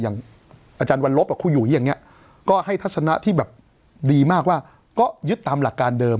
อย่างอาจารย์วันลบครูอยู่อย่างนี้ก็ให้ทัศนะที่แบบดีมากว่าก็ยึดตามหลักการเดิม